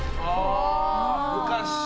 昔。